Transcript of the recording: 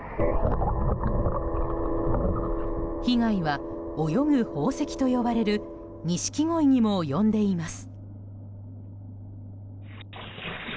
被害は泳ぐ宝石と呼ばれるニシキゴイにも及んでいます。